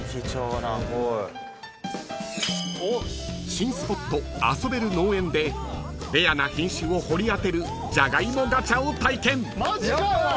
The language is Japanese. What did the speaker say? ［新スポット遊べる農園でレアな品種を掘り当てるジャガイモガチャを体験］